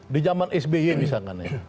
di zaman sby misalkan ya